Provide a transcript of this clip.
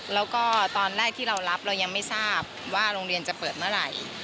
แล้วก็ตอนแรกที่เรารับเรายังไม่ทราบว่าโรงเรียนจะเปิดเมื่อไหร่